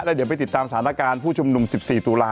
เดี๋ยวไปติดตามสถานการณ์ผู้ชุมนุม๑๔ตุลาค